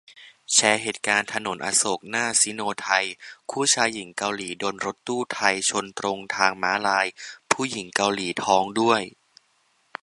แชร์เหตุการณ์ถนนอโศกหน้าซิโนไทย คู่ชายหญิงเกาหลีโดนรถตู้ไทยชนตรงทางม้าลาย ผู้หญิงเกาหลีท้องด้วย